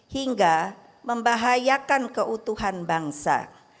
hingga membahayakan keutuhan bangsa